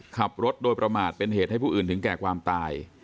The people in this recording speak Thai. ขับรถโดยประมาทเป็นเหตุให้ผู้อื่นถึงแก่ความตาย